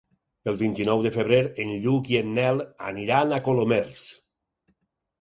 El vint-i-nou de febrer en Lluc i en Nel aniran a Colomers.